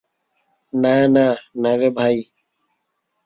না, না, না রে ভাই।